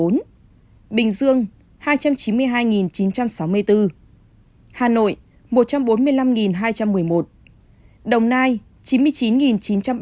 tp hcm năm trăm một mươi bốn bốn trăm một mươi bốn bình dương hai trăm chín mươi hai chín trăm sáu mươi bốn hà nội một trăm bốn mươi năm hai trăm một mươi một đồng nai chín mươi chín chín trăm ba mươi tám tây ninh tám mươi tám bốn trăm chín mươi ba